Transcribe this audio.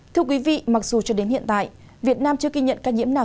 thưa quý vị mặc dù cho đến hiện tại việt nam chưa ghi nhận ca nhiễm nào